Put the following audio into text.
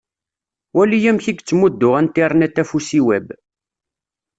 Wali amek i yettmuddu Internet afus i Web.